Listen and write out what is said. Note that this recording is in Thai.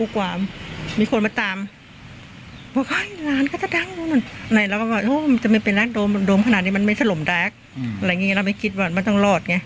ขนาดนี้มันไม่สลมแด๊กเราไม่คิดว่ามันต้องรอดไง